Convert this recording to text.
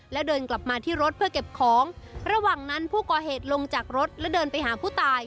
แล้วเดินกลับมาที่รถเพื่อเก็บของระหว่างนั้นผู้ก่อเหตุลงจากรถและเดินไปหาผู้ตาย